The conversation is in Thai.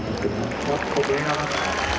ขอบคุณครับค่ะขอบคุณนะครับ